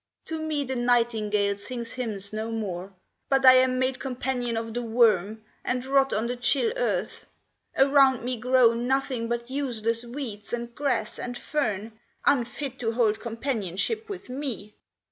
To me the nightingale sings hymns no more; But I am made companion of the worm, And rot on the chill earth. Around me grow Nothing but useless weeds, and grass, and fern, Unfit to hold companionship with me.